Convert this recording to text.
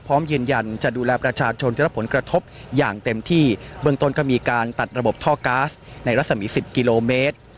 พร้อมยืนยันจะดูแลประชาชนจะรับผลกระทบอย่างเต็มที่เบื้องต้นก็มีการตัดระบบท่อก๊าซในรัศมี๑๐กิโลเมตร